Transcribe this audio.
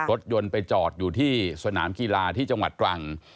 รถยนต์ไปจอดอยู่ที่สนามกีฬาที่จังหวัดตรัง